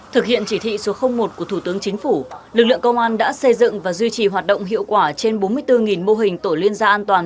thực hiện chỉ thị số một của thủ tướng chính phủ lực lượng công an đã xây dựng và duy trì hoạt động hiệu quả trên bốn mươi bốn mô hình tổ liên gia an toàn